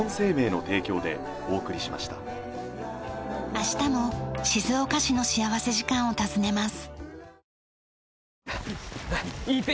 明日も静岡市の幸福時間を訪ねます。